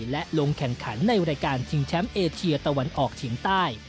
และลงแข่งขันในรายการชิงแชมป์เอเชียตะวันออกเฉียงใต้